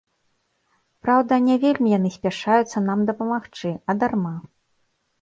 Праўда, не вельмі яны спяшаюцца нам дапамагчы, а дарма.